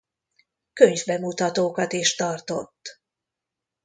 Könyvbemutatókat is tartott.